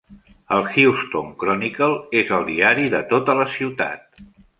El "Houston Chronicle" és el diari de tota la ciutat.